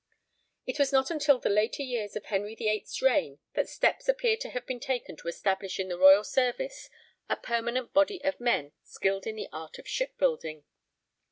' It is not until the later years of Henry VIII's reign that steps appear to have been taken to establish in the royal service a permanent body of men skilled in the art of shipbuilding.